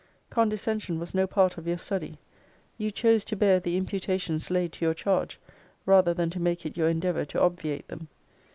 Condescension was no part of your study. You chose to bear the imputations laid to your charge, rather than to make it your endeavour to obviate them.